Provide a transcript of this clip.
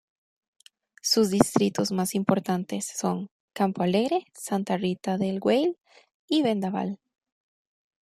Sus distritos más importantes son: Campo Alegre, Santa Rita del Weil y Vendaval.